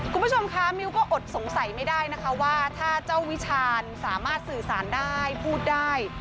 คุณผู้ชมคะมิวก็อดสงสัยไม่ได้นะคะว่าถ้าเจ้าวิชาญสามารถสื่อสารได้พูดได้